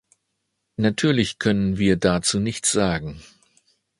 Natürlich können wir dazu nichts sagen.